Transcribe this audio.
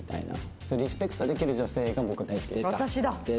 そういうリスペクトできる女性が僕大好きですね。